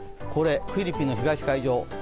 これ、フィリピンの東海上。